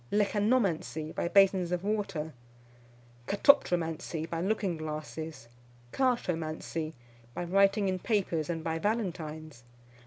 Lecanomancy, by basins of water. Katoptromancy, by looking glasses. Chartomancy, by writing in papers, and by Valentines.